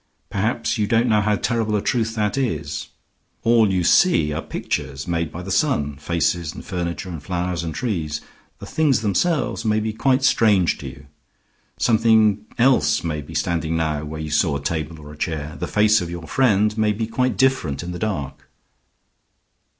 "Perhaps you don't know how terrible a truth that is. All you see are pictures made by the sun, faces and furniture and flowers and trees. The things themselves may be quite strange to you. Something else may be standing now where you saw a table or a chair. The face of your friend may be quite different in the dark."